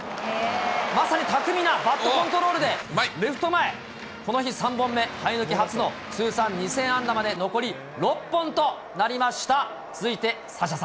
まさにたくみなバットコントロールで、レフト前、この日３本目、生え抜き初の通算２０００安打まで残り６本となりました。